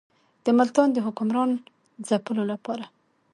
د ملتان د حکمران ځپلو لپاره.